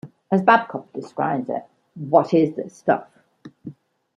As Babcock describes it, What is this stuff?